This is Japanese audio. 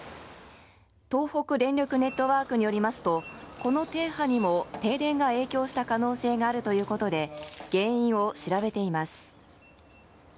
東北電力ネットワークによりますと、この停波にも停電が影響した可能性があるということで、原因を調べています。